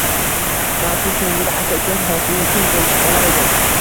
Mavsum so`ngida aka-uka hosilni teng bo`lishib olar edi